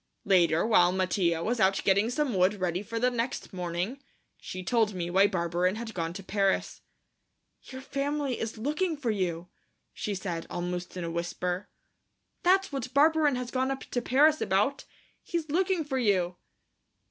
Later, while Mattia was out getting some wood ready for the next morning, she told me why Barberin had gone to Paris. "Your family is looking for you," she said, almost in a whisper. "That's what Barberin has gone up to Paris about. He's looking for you."